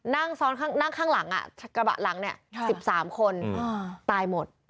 นั่งซ้อนนั่งข้างหลังกระบะหลังเนี่ย๑๓คนตายหมด